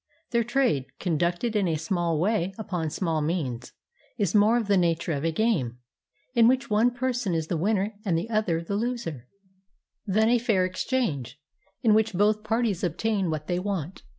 Their trade, conducted in a small way upon small means, is more of the nature of a game, in which one person is the winner and the other the loser, than a fair exchange, in which both parties obtain what they want.